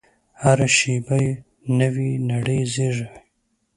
هره شېبه نوې نړۍ زېږوي.